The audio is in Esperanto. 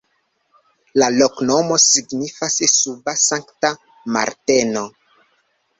La loknomo signifas: suba-Sankta Marteno.